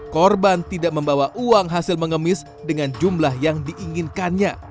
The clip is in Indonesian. korban tidak membawa uang hasil mengemis dengan jumlah yang diinginkannya